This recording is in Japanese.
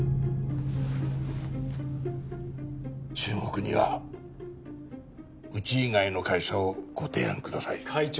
中国にはうち以外の会社をご提案ください会長！